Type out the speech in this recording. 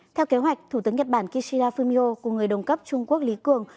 theo kế hoạch thủ tướng nhật bản kishida fumio cùng người đồng cấp trung quốc lý cường